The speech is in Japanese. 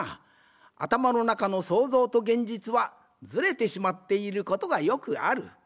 あたまのなかの想像と現実はズレてしまっていることがよくある。